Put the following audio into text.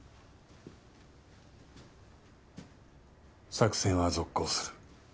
作戦は続行する。